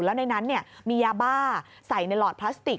แล้วในนั้นมียาบ้าใส่ในหลอดพลาสติก